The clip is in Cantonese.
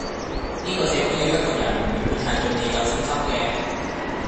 呢個社會有一個人永遠係對你有信心嘅